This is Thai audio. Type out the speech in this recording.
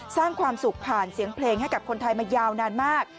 สร้างความสุขผ่านเสียงเพลงให้กับคนไทยมายาวนานมาก